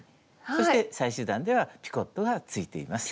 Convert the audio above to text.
そして最終段ではピコットがついています。